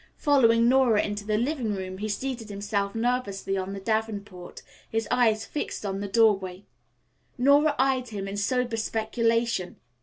Following Nora into the living room he seated himself nervously on the davenport, his eyes fixed on the doorway. Nora eyed him in sober speculation.